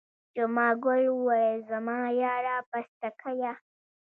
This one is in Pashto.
جمعه ګل وویل زما یاره پستکیه.